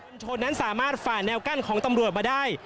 ชนนั้นสามารถฝ่าแนวกั้นของตำรวจมาได้